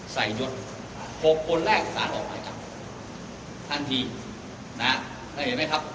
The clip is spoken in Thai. ใส่ยก๖คนแรกสารออกหมายจับทันทีถ้าเห็นไหมครับ